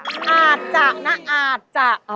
อาจจะนะอาจจะ